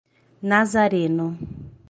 Nazareno